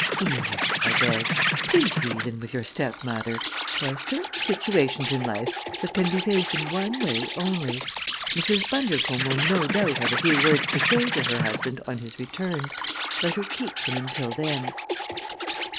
"Eve," I begged, "please reason with your stepmother. There are certain situations in life that can be faced in one way only. Mrs. Bundercombe will no doubt have a few words to say to her husband on his return. Let her keep them until then."